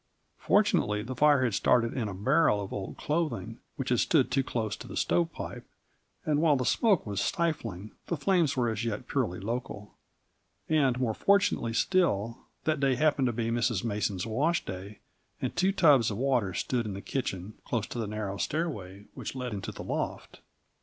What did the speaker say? Fortunately the fire had started in a barrel of old clothing which had stood too close to the stovepipe, and while the smoke was stifling, the flames were as yet purely local. And, more fortunately still, that day happened to be Mrs. Mason's wash day and two tubs of water stood in the kitchen, close to the narrow stairway which led into the loft.